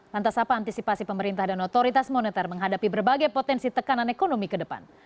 lantas apa antisipasi pemerintah dan otoritas moneter menghadapi berbagai potensi tekanan ekonomi ke depan